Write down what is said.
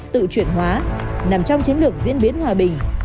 tự chuyển hóa nằm trong chiến lược diễn biến hòa bình